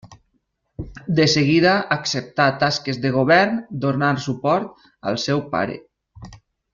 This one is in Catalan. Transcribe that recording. De seguida acceptà tasques de govern, donant suport al seu pare.